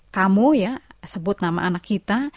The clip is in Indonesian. kamu ya sebut nama anak kita